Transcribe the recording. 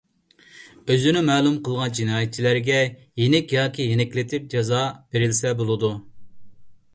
ئۆزىنى مەلۇم قىلغان جىنايەتچىلەرگە يېنىك ياكى يېنىكلىتىپ جازا بېرىلسە بولىدۇ.